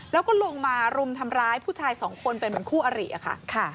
แล้วก็ลงมารุมทำร้ายผู้ชายสองคนเป็นเหมือนคู่อริค่ะ